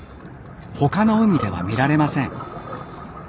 他の海では見られません。